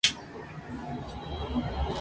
Fue socia del Club Literario y del Ateneo de Lima.